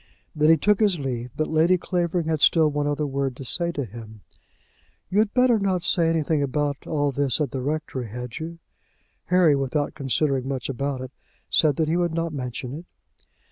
Then he took his leave; but Lady Clavering had still one other word to say to him. "You had better not say anything about all this at the rectory; had you?" Harry, without considering much about it, said that he would not mention it.